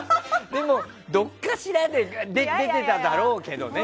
でもどっかしらで出てただろうけどね。